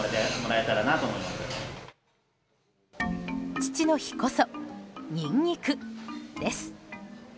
父の日こそ、ニンニクです。